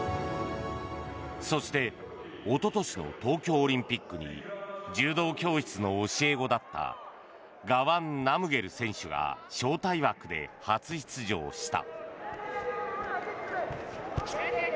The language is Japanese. そしておととしの東京オリンピックに柔道教室の教え子だったガワン・ナムゲル選手が招待枠で初出場した。